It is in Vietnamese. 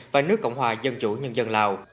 và nước cộng hòa dân chủ nhân dân lào